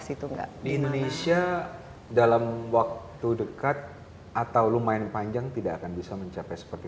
situng indonesia dalam waktu dekat atau lumayan panjang tidak akan bisa mencapai seperti